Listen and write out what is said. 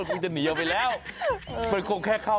ตรงต่างเขา